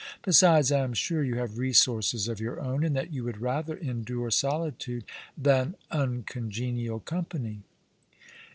Besides, I am sure you have resources of your own, and that you would rather endure solitude than uncongenial company."